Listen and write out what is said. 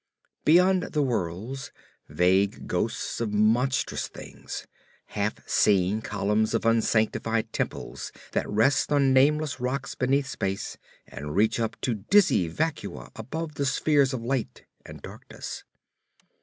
Beyond the worlds vague ghosts of monstrous things; half seen columns of unsanctified temples that rest on nameless rocks beneath space and reach up to dizzy vacua above the spheres of light and darkness.